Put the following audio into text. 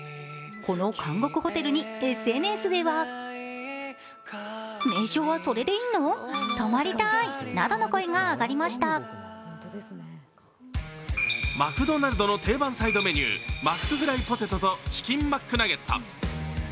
この監獄ホテルにＳＮＳではマクドナルドの定番サイドメニューマックフライポテトとチキンマックナゲット。